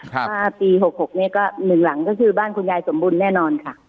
ถ้าปี๖๖นี้ก็หนึ่งหลังก็คือบ้านคุณยายสมบูรณแน่นอนค่ะ